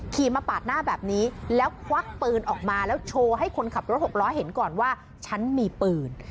ขี่มาปาดหน้าแบบนี้แล้วควักปืนออกมาแล้วโชว์ให้คนขับรถหกล้อเห็นก่อนว่าฉันมีปืน